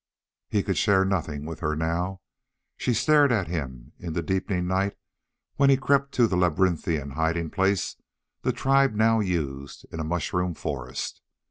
He could share nothing with her now. She stared at him in the deepening night when he crept to the labyrinthine hiding place the tribe now used in a mushroom forest.